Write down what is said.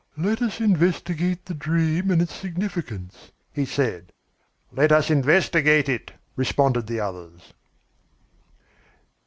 "Let us investigate the dream and its significance," he said. "Let us investigate it," responded the others.